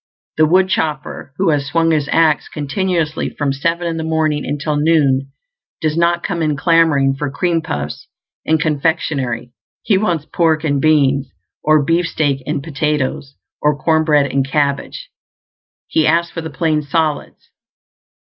The woodchopper, who has swung his axe continuously from seven in the morning until noon does not come in clamoring for cream puffs and confectionery; he wants pork and beans, or beefsteak and potatoes, or corn bread and cabbage; he asks for the plain solids.